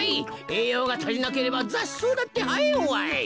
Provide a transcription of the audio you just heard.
えいようがたりなければざっそうだってはえんわい。